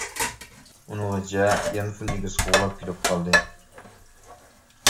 ئۇنىڭغىچە يانفون ئىگىسى قوغلاپ كېلىپ قالدى.